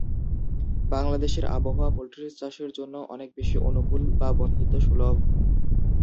বাংলাদেশের আবহাওয়া পোল্ট্রি চাষের জন্য অনেক বেশি অনুকূল বা বন্ধুত্ব সুলভ।